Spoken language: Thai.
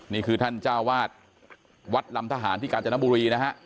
นี่คือท่านเจ้าวาดวัดลำทหารที่กาญจนบุรีนะฮะ